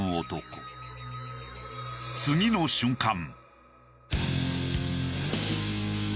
次の瞬間。